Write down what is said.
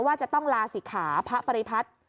ว่าจะต้องลาศิกขาพระปริพัฒน์